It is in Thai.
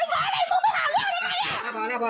คนที่บันทึกคลิปนี้ไว้ก็คือคุณอัจฉรี